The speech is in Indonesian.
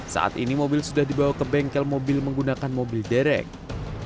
saat ini mobil sudah dibawa ke bengkel mobil menggunakan mobil derek